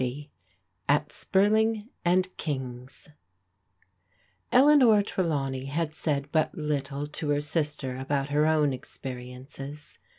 AT SPURLING AND KING'S ELEANOR TRELAWNEY had said but Utde to her sister about ber own experiences.